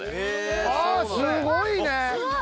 あっすごいね！